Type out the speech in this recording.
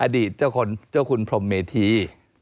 อดีตเจ้าคุณพรหมเมธี